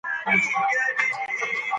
زه به سبا سهار په پارک کې ورزش کوم.